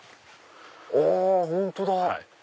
あ本当だ！